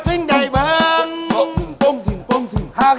จับข้าว